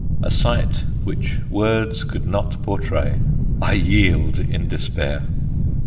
A sight which words could not portray. I yield in despair.